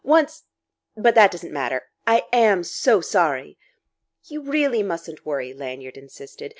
Once... But that doesn't matter. I am so sorry." "You really mustn't worry," Lanyard insisted.